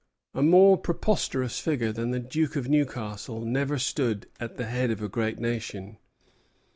A more preposterous figure than the Duke of Newcastle never stood at the head of a great nation.